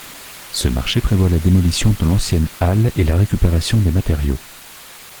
Ce marché prévoit la démolition de l'ancienne halle et la récupération des matériaux.